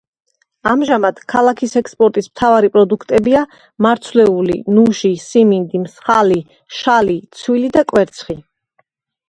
ამჟამად, ქალაქის ექსპორტის მთავარი პროდუქტებია მარცვლეული, ნუში, სიმინდი, მსხალი, შალი, ცვილი და კვერცხი.